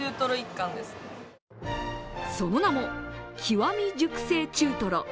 その名も極み熟成中とろ。